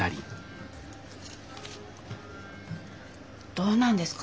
どうなんですか？